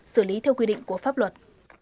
xử lý theo quy định của pháp luật